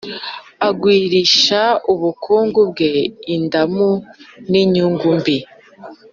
ugwirisha ubukungu bwe indamu n’inyungu mbi,